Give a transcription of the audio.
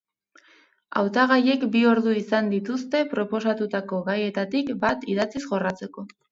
Hautagaiek bi ordu izan dituzte proposatutako gaietatik bat idatziz jorratzeko.